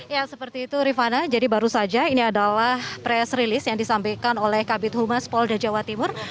ya seperti itu rifana jadi baru saja ini adalah press release yang disampaikan oleh kabit humas polda jawa timur